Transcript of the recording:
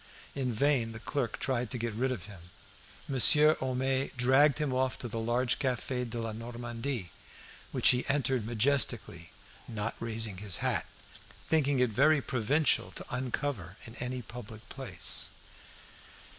In vain the clerk tried to get rid of him. Monsieur Homais dragged him off to the large Cafe de la Normandie, which he entered majestically, not raising his hat, thinking it very provincial to uncover in any public place.